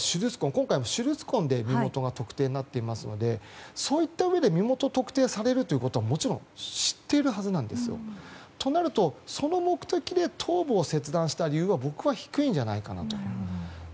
今回は手術痕で身元特定になっていますのでそういったことで身元特定になるということはもちろん知っているはずなんですよ。となると、その目的で頭部を切断した可能性は僕は低いんじゃないかと思います。